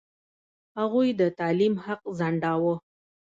هغوی د تعلیم حق ځنډاوه.